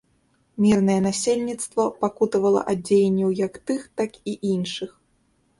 Мірнае насельніцтва пакутавала ад дзеянняў як тых, так і іншых.